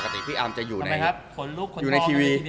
ทำไมครับฝนลูกขนฟอร์ม